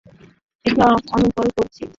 এটা আনলক করছি।